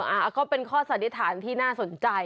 ก็เป็นข้อสันนิษฐานที่น่าสนใจ